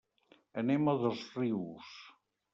Anem a Dosrius.